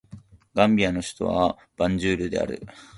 ガンビアの首都はバンジュールである